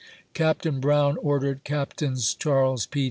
Capt. Brown ordered Capts. Charles P.